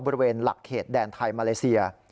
บริเวณหลักเขตแดนไทยมาเลเซีย